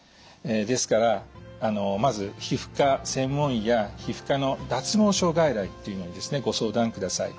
ですからまず皮膚科専門医や皮膚科の脱毛症外来というのにですねご相談ください。